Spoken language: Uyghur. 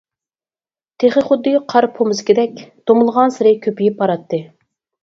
تېخى خۇددى قار پومزىكىدەك دومىلىغانسېرى كۆپىيىپ باراتتى.